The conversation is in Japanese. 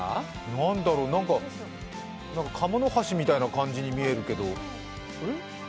何だろう、カモノハシみたいな感じに見えるけど。